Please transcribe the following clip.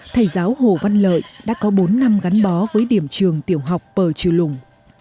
thầy giáo hồ văn lợi đã có bốn năm gắn bó với điểm trường tiểu học pờ trừ lùng